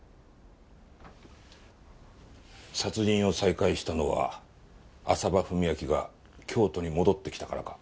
殺人を再開したのは浅羽史明が京都に戻ってきたからか？